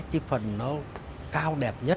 cái phần nó cao đẹp nhất